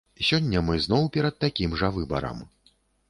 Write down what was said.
Сёння мы зноў перад такім жа выбарам.